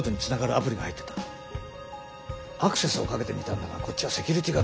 アクセスをかけてみたんだがこっちはセキュリティーがガチのやつでな。